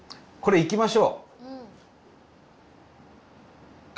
これ行きましょう。